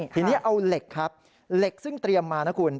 ทีนี้เอาเหล็กครับเหล็กซึ่งเตรียมมานะคุณ